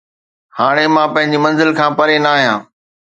هاڻي مان پنهنجي منزل کان پري ناهيان